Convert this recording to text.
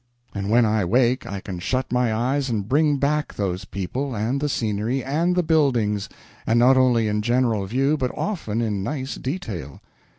And when I wake I can shut my eyes and bring back those people, and the scenery and the buildings; and not only in general view, but often in nice detail.